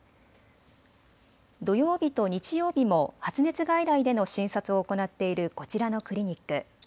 土曜日と日曜日も発熱外来での診察を行っているこちらのクリニック。